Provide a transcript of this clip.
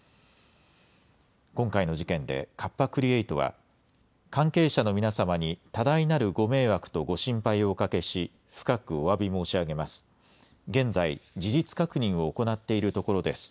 今回の事件でカッパ・クリエイトは、関係者の皆様に多大なるご迷惑とご心配をおかけし、深くおわび申し上げます。